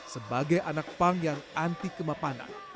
sebagai anak pang yang anti kemapanan